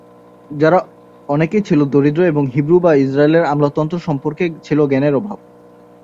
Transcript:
যারা অনেকেই ছিল দরিদ্র এবং হিব্রু বা ইজরায়েলের আমলাতন্ত্র সম্পর্কে ছিল জ্ঞানের অভাব।